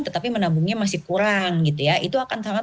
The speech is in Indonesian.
tetapi menabungnya masih kurang gitu ya itu akan sangat